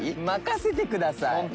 任せてください。